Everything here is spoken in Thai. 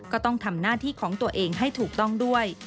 ก็ต้องทำหน้าที่ของตัวเองให้ถูกต้องด้วย